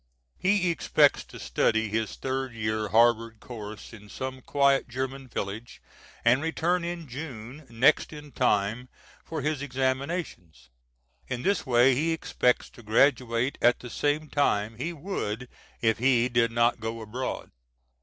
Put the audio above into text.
He expects to study his third year Harvard course in some quiet German village, and return in June next in time for his examinations. In this way he expects to graduate at the same time he would if he did not go abroad.